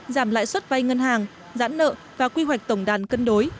giảm lãi suất vay ngân hàng giãn nợ và quy hoạch tổng đàn cân đối